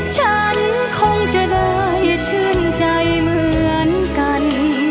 ฉันคงจะได้ชื่นใจเหมือนกัน